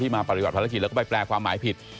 มาปฏิบัติภารกิจแล้วก็ไปแปลความหมายผิด